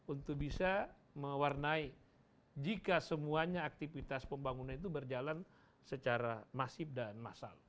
untuk bisa mewarnai jika semuanya aktivitas pembangunan itu berjalan secara masif dan massal